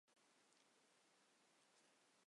彤城氏是中国文献记载到的远古姒姓氏族。